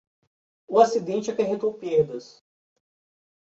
O acidente acarretou perdas